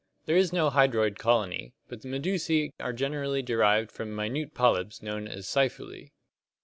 There is no hydroid colony, but the medusae are generally derived from minute polyps known as scyphulae.